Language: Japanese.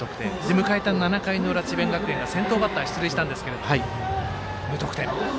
迎えた７回の裏が智弁学園が先頭バッター出塁したんですが無得点。